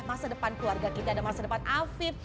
masa depan keluarga kita dan masa depan afif